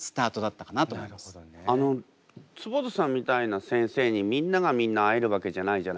あの坪田さんみたいな先生にみんながみんな会えるわけじゃないじゃないですか。